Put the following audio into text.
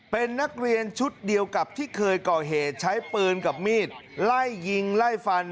เป็นนักเรียนชุดเดียวกับที่เคยก่อเหตุใช้ปืนกับมีดไล่ยิงไล่ฟัน